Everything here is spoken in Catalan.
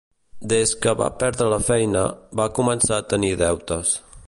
Des que va perdre la feina, va començar a tenir deutes.